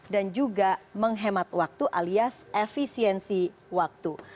dan juga menghemat waktu alias efisiensi waktu